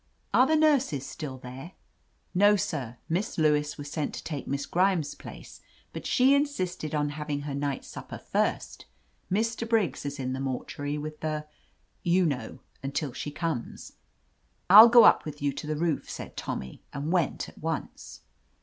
"Are the nurses still there ?" "No, sir. Miss Lewis was sent to take Miss Grimes' place, but she insisted on having her night supper first. Mr. Briggs is in the mor tuary with the — ^you know, until she comes." "I'll go up with you to the roof," said Tom my, and went at once.